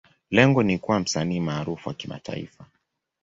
Lengo ni kuwa msanii maarufu wa kimataifa.